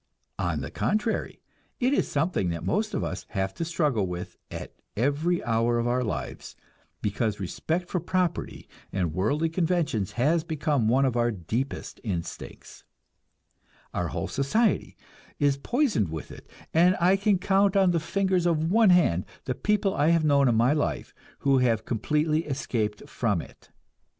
On the contrary, it is something that most of us have to struggle with at every hour of our lives, because respect for property and worldly conventions has become one of our deepest instincts; our whole society is poisoned with it, and I can count on the fingers of one hand the people I have known in my life who have completely escaped from it.